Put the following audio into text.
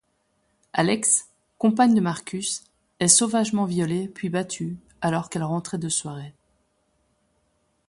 Alex, compagne de Marcus, est sauvagement violée puis battue alors qu'elle rentrait de soirée.